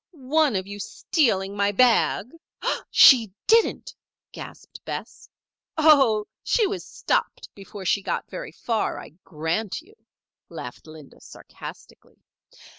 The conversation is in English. One of you stealing my bag " "She didn't!" gasped Bess. "Oh, she was stopped before she got very far, I grant you," laughed Linda, sarcastically.